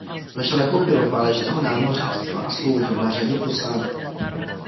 Začal jako pilot válečného námořnictva a sloužil na řadě posádek.